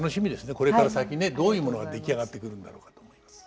これから先ねどういうものが出来上がってくるんだろうかと思います。